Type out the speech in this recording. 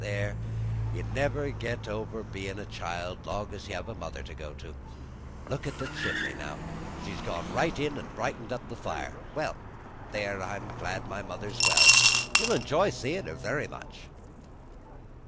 "There, you never get over bein' a child long's you have a mother to go to. Look at the chimney, now; she's gone right in an' brightened up the fire. Well, there, I'm glad mother's well; you'll enjoy seein' her very much."